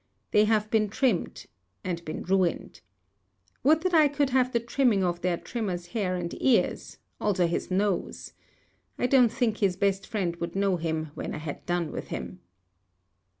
They have been trimmed, and been ruined. Would that I could have the trimming of their trimmer's hair and ears; also his nose! I don't think his best friend would know him when I had done with him.